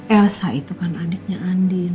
elsa itu kan adiknya andin